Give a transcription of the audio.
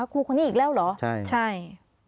ครูคนนี้อีกแล้วเหรอใช่